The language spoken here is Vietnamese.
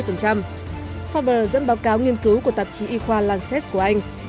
farber dẫn báo cáo nghiên cứu của tạp chí y khoa lancet của anh